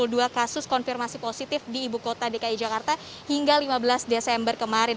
ini adalah kasus konfirmasi positif di ibukota dki jakarta hingga lima belas desember kemarin